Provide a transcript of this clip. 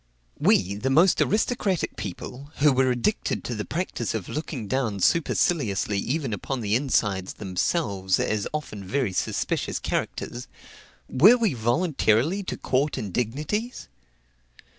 We, the most aristocratic of people, who were addicted to the practice of looking down superciliously even upon the insides themselves as often very suspicious characters, were we voluntarily to court indignities?